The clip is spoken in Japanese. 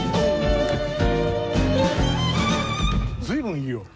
随分いいよ。